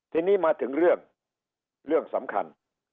ทีนี้มาถึงเรื่องเรื่องสำคัญ